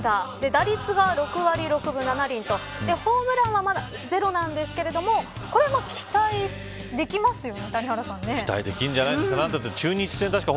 打率が６割６分７厘とホームランはまだゼロなんですけれどもこれは期待できるんじゃないですか。